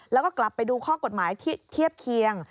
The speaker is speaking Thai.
แล้วก็กลับไปดูข้อกฎหมายที่เทียบเคียง